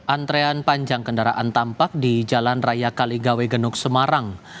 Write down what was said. antrean panjang kendaraan tampak di jalan raya kaligawe genuk semarang